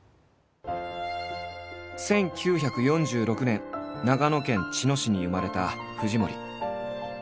１９４６年長野県茅野市に生まれた藤森。